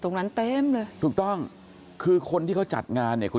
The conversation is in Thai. ตรงนั้นเต็มเลยถูกต้องคือคนที่เขาจัดงานเนี่ยคุณ